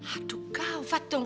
aduh gawat dong